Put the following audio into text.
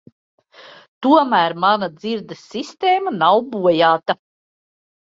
Tomēr mana dzirdes sistēma nav bojāta.